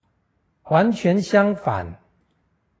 完全相反！